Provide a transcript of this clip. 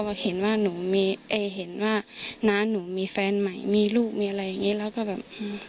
พอเห็นว่าหนูมีแฟนใหม่มีลูกมีอะไรอย่างนี้แล้วก็แบบ